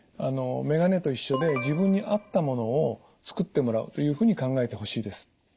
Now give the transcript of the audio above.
眼鏡と一緒で自分に合ったものを作ってもらうというふうに考えてほしいです。